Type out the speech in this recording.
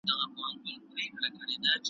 غونډې د مشورو لپاره جوړېږي.